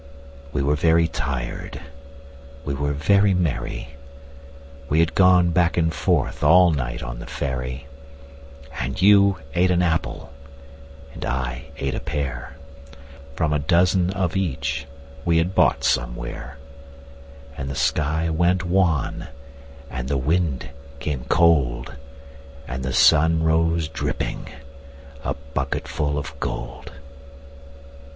We were very tired, we were very merry We had gone back and forth all night on the ferry, And you ate an apple, and I ate a pear, From a dozen of each we had bought somewhere; And the sky went wan, and the wind came cold, And the sun rose dripping, a bucketful of gold.